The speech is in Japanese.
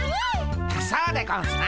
そうでゴンスな。